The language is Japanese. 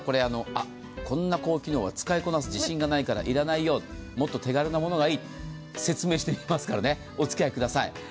こんな高機能、使いこなす自信がないから要らないよ、もっと手軽なものがいい、説明していきますからね、おつきあいください。